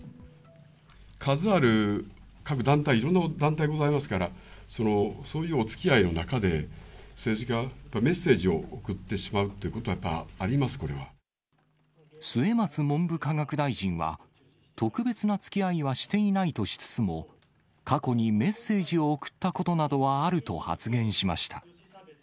数ある各団体、いろんな団体ございますから、そういうおつきあいの中で、政治家がメッセージを送ってしまうということは、やっぱりありま末松文部科学大臣は、特別なつきあいはしていないとしつつも、過去にメッセージを送ったことなどはあると発言しました。